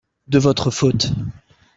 de votre faute.